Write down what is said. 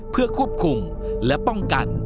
เพื่อควบคุมและป้องกัน